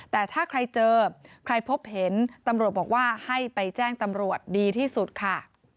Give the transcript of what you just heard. แต่ถ้าใครเจอใครพบเห็นตำรวจบอกว่าให้ไปแจ้งตำรวจดีที่สุดค่ะ